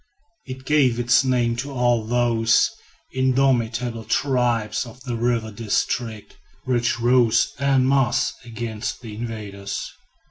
It gave its name to all those indomitable tribes of the river district, which rose en masse against the invaders.